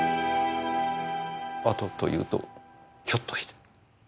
「あと」というとひょっとして？